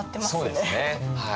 そうですねはい。